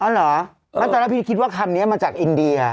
อ๋อเหรอแต่ละพี่คิดว่าคำนี้มันจากอินเดีย